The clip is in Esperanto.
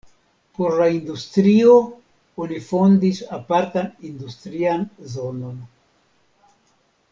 Por la industrio oni fondis apartan industrian zonon.